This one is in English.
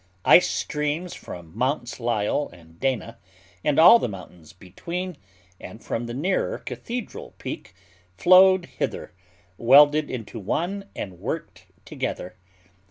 Ice streams from Mounts Lyell and Dana, and all the mountains between, and from the nearer Cathedral Peak, flowed hither, welded into one, and worked together.